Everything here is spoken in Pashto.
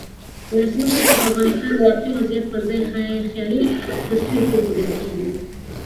ولسمشر ته د افغانستان واقعي وضعیت پرځای خیالي تصویر ښودل کیږي.